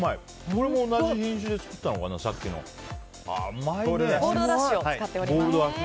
これも同じ品種で作ったのかなさっきのと。